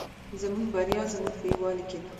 زموږ بریا زموږ په یوالي کې ده